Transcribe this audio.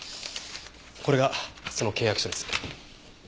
これがその契約書です。